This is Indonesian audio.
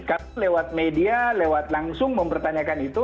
kami lewat media lewat langsung mempertanyakan itu